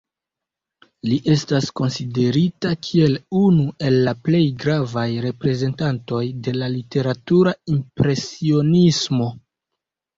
Li estas konsiderita kiel unu el la plej gravaj reprezentantoj de la literatura impresionismo.